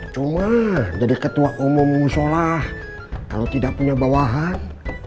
cuma jadi ketua umum musolah kalau tidak punya bawahan